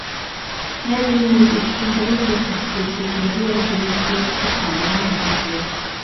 Яг энэ үед эгч нь Парисаас захидал илгээж Марияг ирүүлэхийг хүсэж байгаагаа мэдэгдлээ.